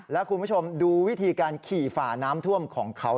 แล้วคุณผู้ชมดูวิธีการขี่ฝ่าน้ำท่วมของเขา